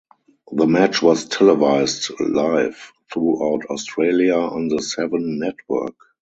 The match was televised live throughout Australia on the Seven Network.